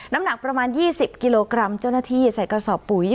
น้ำหนักประมาณ๒๐กิโลกรัมเจ้าหน้าที่ใส่กระสอบปุ๋ย